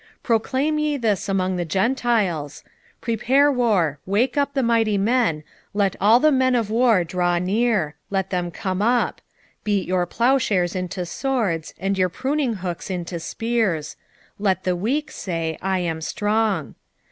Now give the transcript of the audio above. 3:9 Proclaim ye this among the Gentiles; Prepare war, wake up the mighty men, let all the men of war draw near; let them come up: 3:10 Beat your plowshares into swords and your pruninghooks into spears: let the weak say, I am strong.